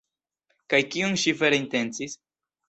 Kaj kion ŝi vere intencis?